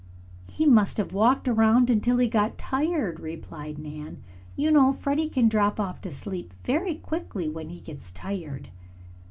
"He must have walked around until he got tired," replied Nan. "You know Freddie can drop off to sleep very quickly when he gets tired."